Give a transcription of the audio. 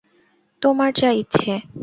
তোমার যা ইচ্ছে।